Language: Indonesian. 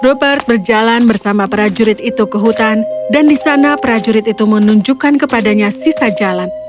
rupert berjalan bersama prajurit itu ke hutan dan di sana prajurit itu menunjukkan kepadanya sisa jalan